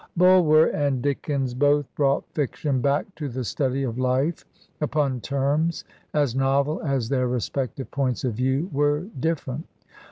Bulwer and Dickens both brought fiction back to the study of life upon terms as novel as their respective points of view were different.